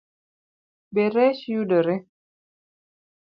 Be rech yudore?